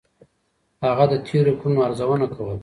هغه د تېرو کړنو ارزونه کوله.